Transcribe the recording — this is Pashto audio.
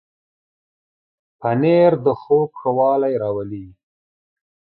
پنېر د خوب ښه والی راولي.